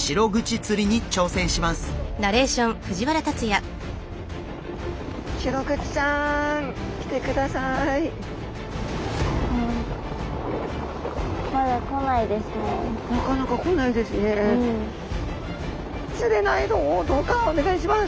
釣れないぞどうかお願いします！